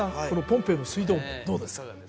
このポンペイの水道どうですか？